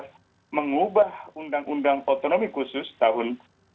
di mana terdapat undang undang otonomi khusus tahun dua ribu satu